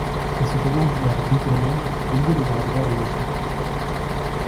Et se tournant vers Bigrenaille: — Déliez le bras droit de monsieur.